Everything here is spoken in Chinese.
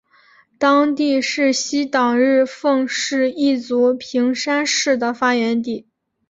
当地是西党日奉氏一族平山氏的发源地。